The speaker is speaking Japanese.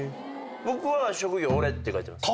僕は職業俺って書いてます。